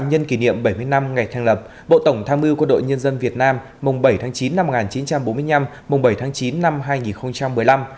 nhân kỷ niệm bảy mươi năm ngày thành lập bộ tổng tham mưu của đội nhân dân việt nam mùng bảy tháng chín năm một nghìn chín trăm bốn mươi năm mùng bảy tháng chín năm hai nghìn một mươi năm